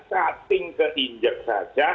sating ketinjek saja